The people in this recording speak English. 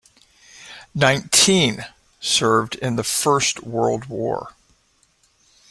Nineteen served in the First World War.